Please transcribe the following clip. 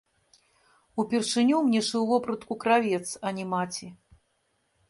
Упершыню мне шыў вопратку кравец, а не маці.